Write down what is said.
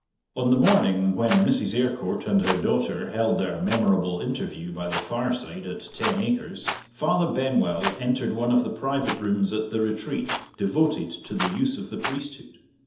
On the morning when Mrs. Eyrecourt and her daughter held their memorable interview by the fireside at Ten Acres, Father Benwell entered one of the private rooms at The Retreat, devoted to the use of the priesthood.